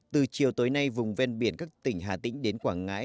từ chiều tối nay vùng ven biển các tỉnh hà tĩnh đến quảng ngãi